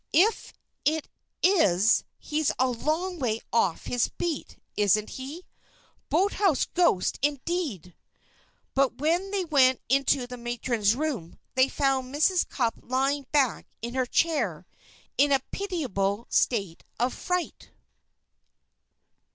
"If it is, he's a long way off his beat, isn't he? Boathouse ghost, indeed!" But when they went into the matron's room they found Mrs. Cupp lying back in her chair, in a pitiable state of fright.